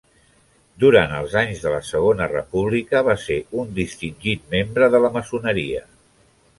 Durant els anys de la Segona República va ser un distingit membre de la maçoneria.